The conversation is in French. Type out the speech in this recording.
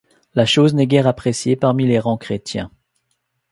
La chose n'est guère appréciée parmi les rangs chrétiens.